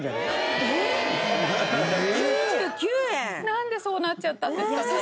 「なんでそうなっちゃったんですかね？」